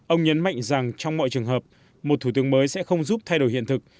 ông nhấn mạnh rằng trong mọi trường hợp một thủ tướng mới sẽ không giúp thay đổi hiện thực